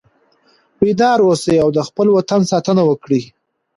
بیدار اوسئ او د خپل وطن ساتنه وکړئ.